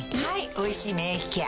「おいしい免疫ケア」